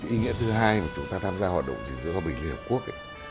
ý nghĩa thứ hai mà chúng ta tham gia hoạt động thí dự hòa bình liên hợp quốc